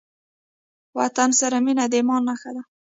وطن سره مينه د ايمان نښه ده.